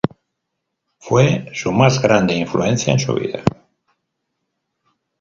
Fue su más grande influencia en su vida.